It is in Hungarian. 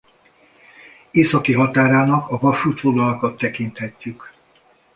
Északi határának a vasútvonalakat tekinthetjük.